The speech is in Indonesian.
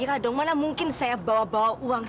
semoga bisa mengpunyi kebutuhan